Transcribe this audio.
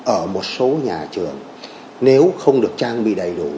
ở một số nhà trường nếu không được trang bị đầy đủ